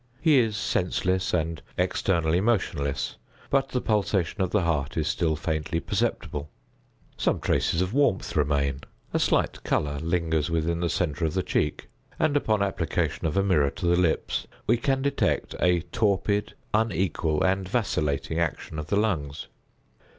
He is senseless and externally motionless; but the pulsation of the heart is still faintly perceptible; some traces of warmth remain; a slight color lingers within the centre of the cheek; and, upon application of a mirror to the lips, we can detect a torpid, unequal, and vacillating action of the lungs.